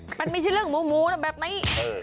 มันไม่ใช่เรื่องหมูนะแบบนี้